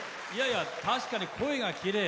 確かに、声がきれい。